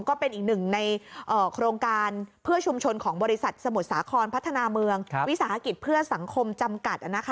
ก็เป็นอีกหนึ่งในโครงการเพื่อชุมชนของบริษัทสมุทรสาครพัฒนาเมืองวิสาหกิจเพื่อสังคมจำกัด